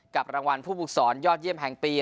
รางวัลผู้ฝึกสอนยอดเยี่ยมแห่งปี